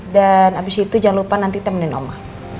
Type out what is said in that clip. dan abis itu jangan lupa nanti temenin oma